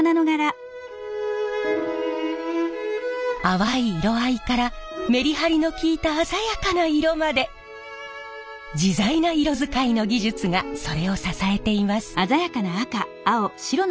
淡い色合いからメリハリの利いた鮮やかな色まで自在な色使いの技術がそれを支えています。